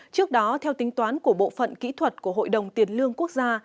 trước đó theo tính toán của bộ phận kỹ thuật của hội đồng tiền lương quốc gia